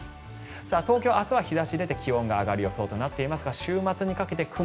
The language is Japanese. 東京、明日は日差しが出て気温が上がる予想となっていますが週末にかけて雲、